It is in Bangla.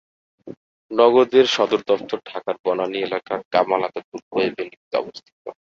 নগদ-এর সদর দফতর ঢাকার বনানী এলাকার কামাল আতাতুর্ক এভিনিউতে অবস্থিত।